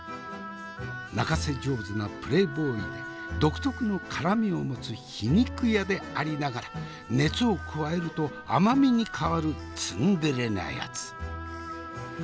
泣かせ上手なプレーボーイで独特の辛みを持つ皮肉屋でありながら熱を加えると甘みに変わるツンデレなやつ。